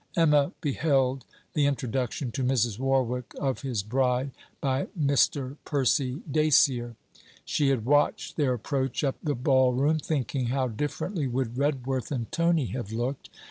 Emma beheld the introduction to Mrs. Warwick of his bride, by Mr. Percy Dacier. She had watched their approach up the Ball room, thinking, how differently would Redworth and Tony have looked.